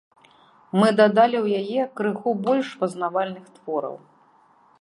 Мы дадалі ў яе крыху больш пазнавальных твораў.